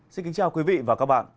xin kính chào quý vị và các bạn